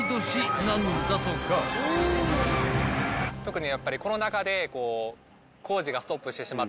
特に。